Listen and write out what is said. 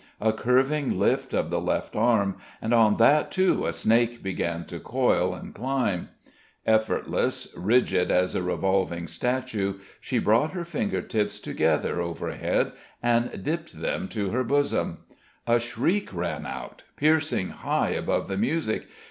A curving lift of the left arm, and on that too a snake began to coil and climb. Effortless, rigid as a revolving statue, she brought her finger tips together overhead and dipped them to her bosom. A shriek rang out, piercing high above the music.